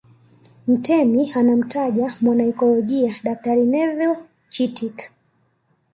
Mtemi anamtaja mwanaikolojia Daktari Neville Chittick